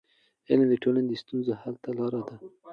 علم د ټولنې د ستونزو حل ته لار ده.